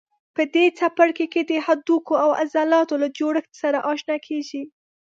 په دې څپرکي کې د هډوکو او عضلاتو له جوړښت سره آشنا کېږئ.